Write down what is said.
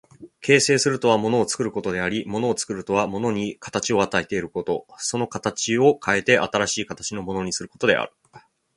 形成するとは物を作ることであり、物を作るとは物に形を与えること、その形を変えて新しい形のものにすることである。